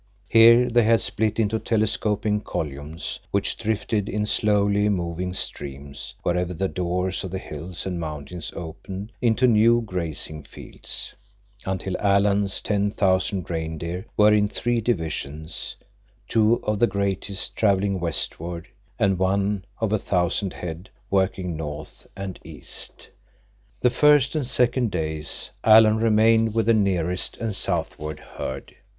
Here they had split into telescoping columns which drifted in slowly moving streams wherever the doors of the hills and mountains opened into new grazing fields, until Alan's ten thousand reindeer were in three divisions, two of the greatest traveling westward, and one, of a thousand head, working north and east. The first and second days Alan remained with the nearest and southward herd.